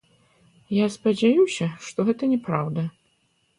Я спадзяюся, што гэта няпраўда.